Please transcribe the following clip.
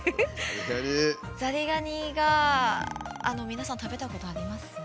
ザリガニが皆さん食べたことあります？